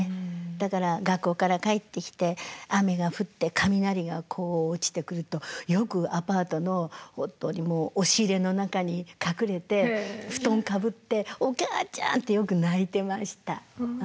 だから学校から帰ってきて雨が降って雷が落ちてくるとよくアパートの本当にもう押し入れの中に隠れて布団かぶって「おかあちゃん！」ってよく泣いてました。